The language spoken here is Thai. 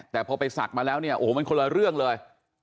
แต่พอไปศักดิ์มาแล้วเนี่ยโอ้โหมันคนละเรื่องเลย